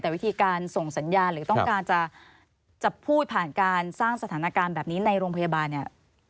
แต่วิธีการส่งสัญญาณหรือต้องการจะพูดผ่านการสร้างสถานการณ์แบบนี้ในโรงพยาบาลเนี่ย